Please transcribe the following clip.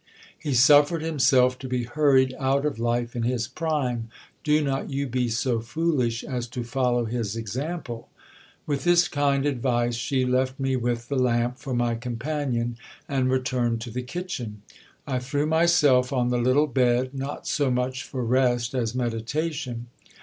He suffered himself to be hurried out of life in his prime : do not you be so foolish as to follow his example. With this kind advice, she left me with the lamp for my companion and returned to the kitchen. I threw myself on the little bed, not so much for rest as meditation.